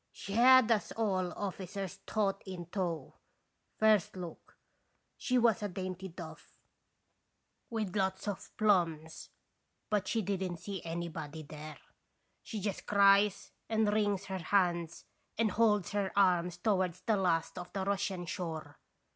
She had all us officers taut in tow, first look she was a dainty duff, with lots of 1 88 & (Stations tesitation. plums, but she didn't see anybody there. She just cries and wrings her hands and holds her arms towards the last of the Russian shore.